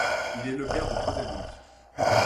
Il est le père de trois adultes.